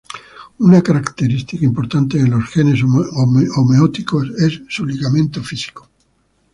Una característica importante de los genes homeóticos es su ligamiento físico.